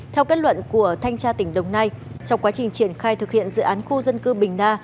theo kết luận của thanh tra tỉnh đồng nai trong quá trình triển khai thực hiện dự án khu dân cư bình đa